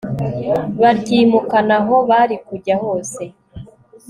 baryimukana aho bari kujya hose